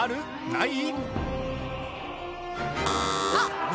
ない？